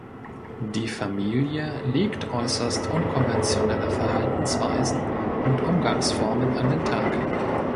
Die Familie legt äußerst unkonventionelle Verhaltensweisen und Umgangsformen an den Tag.